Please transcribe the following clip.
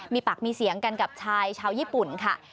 มีปากมีเสียงกันกับชายชาวญี่ปุ่นค่ะ